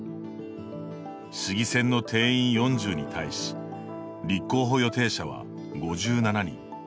市議選の定員４０に対し立候補予定者は５７人。